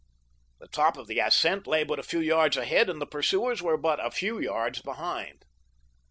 The top of the ascent lay but a few yards ahead, and the pursuers were but a few yards behind.